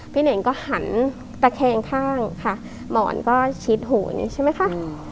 พี่เน่งก็หันตะแคงข้างค่ะหมอนก็ชิดหูใช่ไหมคะ